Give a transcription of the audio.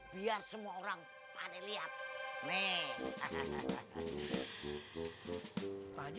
biar semua orang paham lihat